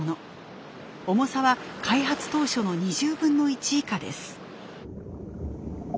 重さは開発当初の２０分の１以下です。